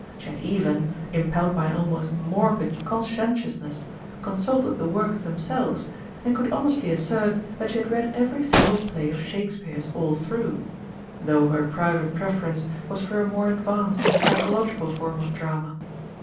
She had even, impelled by an almost morbid conscientiousness, consulted the works themselves, and could honestly assert that she had read every single play of Shakespeare's all through, though her private preference was for a more advanced and psychological form of drama.